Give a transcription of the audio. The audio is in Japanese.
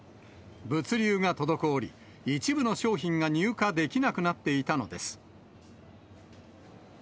物流が滞り、一部の商品が入荷できなくなっていたのです。